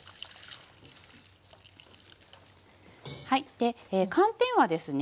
で寒天はですね